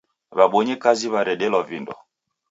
W'abonyikazi w'aredelwa vindo